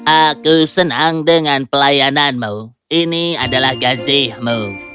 aku senang dengan pelayananmu ini adalah gaji mu